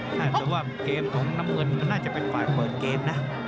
แต่ว่าเกมของน้ำเงินมันน่าจะเป็นฝ่ายเปิดเกมนะ